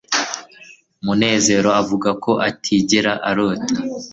munezero avuga ko atigera arota